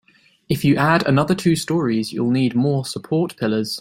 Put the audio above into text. If you add another two storeys, you'll need more support pillars.